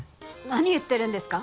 何言ってるんですか